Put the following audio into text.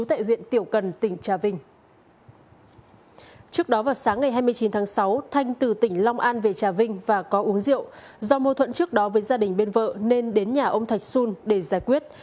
hai mươi chín tháng sáu thanh từ tỉnh long an về trà vinh và có uống rượu do mô thuận trước đó với gia đình bên vợ nên đến nhà ông thạch xuân để giải quyết